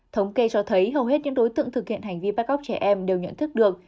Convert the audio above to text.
thống kê cho thấy hầu hết những đối tượng thực hiện hành vi bắt cóc trẻ em đều nhận thức được